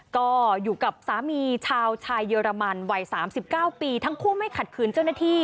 ก็อยู่กับสามีชาวชายเรมันวัย๓๙ปีทั้งคู่ไม่ขัดคืนเจ้าหน้าที่